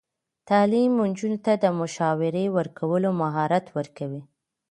تعلیم نجونو ته د مشاوره ورکولو مهارت ورکوي.